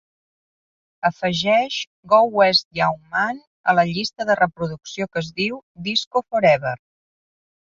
Afegeix "Go West Young Man" a la llista de reproducció que es diu Disco Forever.